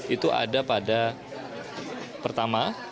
itu ada pada pertama